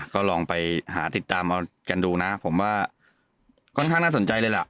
ก็ลองไปหาติดตามเอากันดูนะผมว่าค่อนข้างน่าสนใจเลยล่ะ